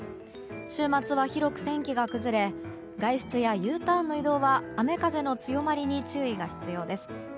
週末は広く天気が崩れ外出やＵターンの移動は雨風の強まりに注意が必要です。